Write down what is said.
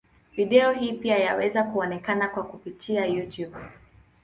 Video hii pia yaweza kuonekana kwa kupitia Youtube.